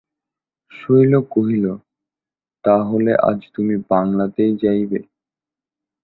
শৈল কহিল, তা হলে আজ তুমি বাংলাতেই যাইবে?